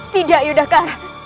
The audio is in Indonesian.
tidak yodha kar